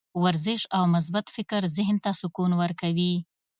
ورزش او مثبت فکر ذهن ته سکون ورکوي.